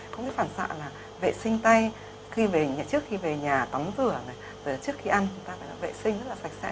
cũng cái phản xạ là vệ sinh tay trước khi về nhà tắm rửa trước khi ăn chúng ta phải vệ sinh rất là sạch sẽ